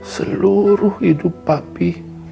seluruh hidup papi